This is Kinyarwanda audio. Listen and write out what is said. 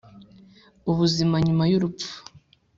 ubuzima nyuma y'urupfu